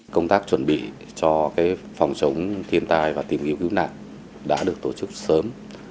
công tác chuẩn bị cho phòng chống thiên tai và tìm kiếm cứu nạn đã được tổ chức sớm